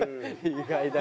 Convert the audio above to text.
意外だな。